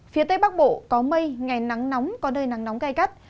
phía tây bắc bộ có mây ngày nắng nóng có nơi nắng nóng gai gắt